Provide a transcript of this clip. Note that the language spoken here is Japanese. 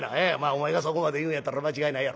お前がそこまで言うんやったら間違いないやろ。